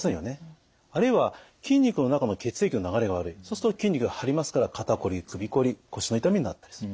あるいは筋肉の中の血液の流れが悪いそうすると筋肉が張りますから肩こり首こり腰の痛みになったりする。